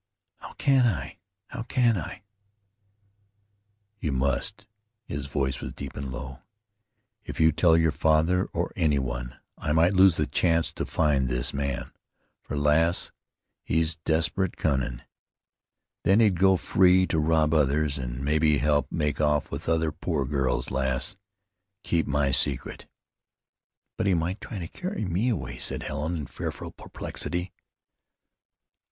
"How can I? How can I?" "You must," his voice was deep and low. "If you tell your father, or any one, I might lose the chance to find this man, for, lass, he's desperate cunnin'. Then he'd go free to rob others, an' mebbe help make off with other poor girls. Lass, keep my secret." "But he might try to carry me away," said Helen in fearful perplexity.